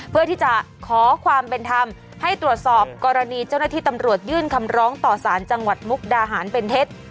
เพื่อที่จะขอความเป็นธรรมให้ตรวจสอบกรณีเจ้าหน้าที่ตำรวจยื่นคำร้องต่อสารจังหวัดมุกดาหารเป็นเท็จ